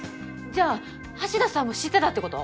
じゃあ橋田さんも知ってたってこと？